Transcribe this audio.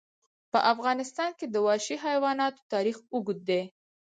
په افغانستان کې د وحشي حیواناتو تاریخ اوږد دی.